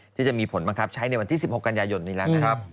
ที่จะมีผลบังคับใช้ในวันที่๑๖กันยายนนี้แล้วนะครับ